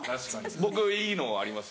僕いいのあります。